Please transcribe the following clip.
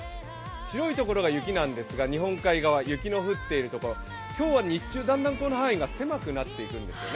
白いところが雪なんですが日本海側、雪の降るところ今日は日中、だんだんこの範囲が狭くなっていくんですね。